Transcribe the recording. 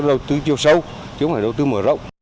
đầu tư chưa sâu chúng là đầu tư mở rộng